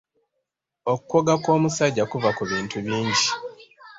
Okukogga kw’omusajja kuva ku bintu bingi.